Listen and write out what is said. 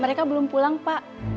mereka belum pulang pak